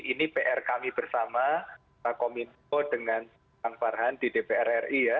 ini pr kami bersama pak kominfo dengan kang farhan di dpr ri ya